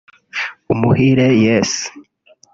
Umuhire Yes